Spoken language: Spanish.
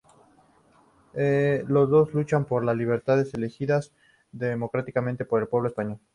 Los dos luchan por las libertades elegidas democráticamente por el pueblo español.